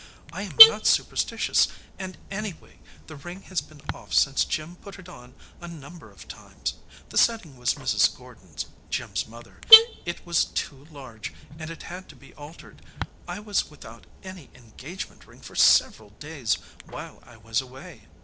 I am not superstitious, and, anyway, the ring has been off since Jim put it on a number of times. The set ting was Mrs. Gordon s, Jim s mother s. It was too large, and it had to be altered. I was with out any engagement ring for several days while I was away."